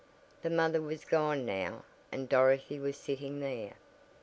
The mother was gone now and Dorothy was sitting there.